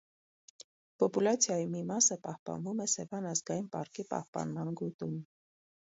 Պոպուլացիայի մի մասը պահպանվում «Սևան» ազգային պարկի պահպանման գոտում։